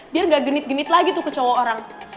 biar gak genit genit lagi tuh ke cowok orang